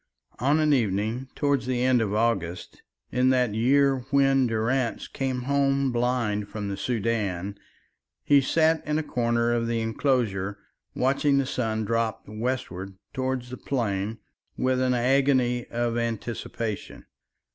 On an evening towards the end of August, in that year when Durrance came home blind from the Soudan, he sat in a corner of the enclosure watching the sun drop westwards towards the plain with an agony of anticipation.